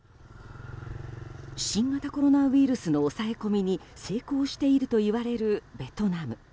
新型コロナウイルスの抑え込みに成功しているといわれるベトナム。